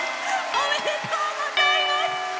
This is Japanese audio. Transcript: おめでとうございます！